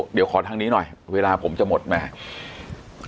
เดี๋ยวขอทางนี้หน่อยเวลาผมจะหมดแม่